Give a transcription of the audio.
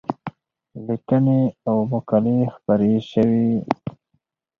لیکنې او مقالې خپرې شوې.